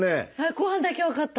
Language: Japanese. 後半だけ分かった！